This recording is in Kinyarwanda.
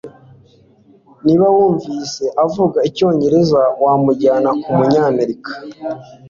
Niba wumvise avuga icyongereza, wamujyana kumunyamerika